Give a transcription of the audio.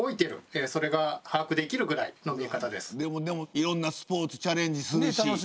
いろんなスポーツチャレンジするし。